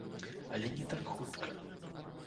Але не так хутка.